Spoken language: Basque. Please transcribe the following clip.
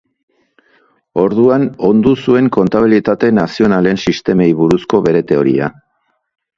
Orduan ondu zuen kontabilitate nazionalen sistemei buruzko bere teoria.